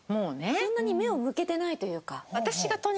そんなに目を向けてないというか。